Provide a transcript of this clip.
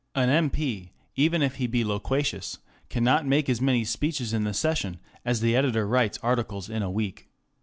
An M.P., even if he be loquacious, cannot make as many speeches in the session as the editor writes articles in a week.